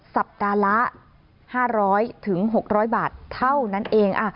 สัปดาห์ละ๕๐๐๖๐๐บาทเท่านั้นเอง